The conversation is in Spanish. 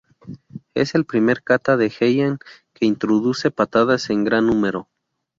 Es el primer kata de Heian que introduce patadas en gran número.